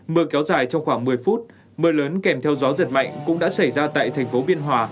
mưa kéo dài trong khoảng một mươi phút mưa lớn kèm theo gió giật mạnh cũng đã xảy ra tại thành phố biên hòa